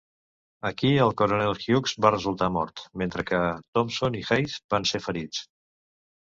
Aquí, el Coronel Hughes va resultar mort, mentre que Thompson i Hays van ser ferits.